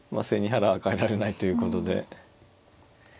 背に腹は代えられないということで。